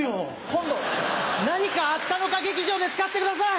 今度何かあったのか劇場で使ってください！